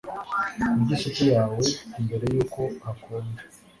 Kurya isupu yawe mbere yuko hakonja